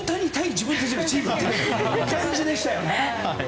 自分たちのチームっていう感じでしたよね。